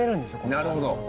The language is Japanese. なるほど。